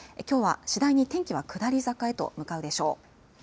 きょうは次第に天気は下り坂へと向かうでしょう。